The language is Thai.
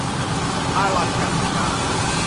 อาหรัดกัดติกา